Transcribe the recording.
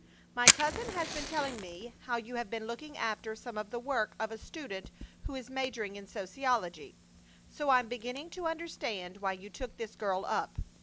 My cousin has been telling me how you have been looking after some of the work of a student who is majoring in sociology, so I'm beginning to understand why you took this girl up.